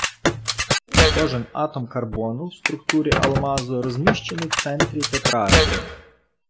Кожен атом карбону в структурі алмазу розміщений в центрі тетраедру